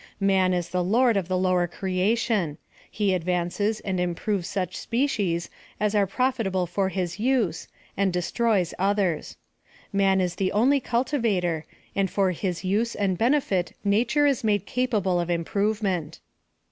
Man is the lord of the lower creation. He advances and improves such species as are 262 PHILOSOPHY OF THE profitable for his use, and destroys others. Man ia the only cultivator, and for his use and benefit nature is made capable of improvement.